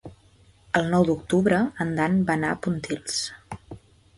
El nou d'octubre en Dan va a Pontils.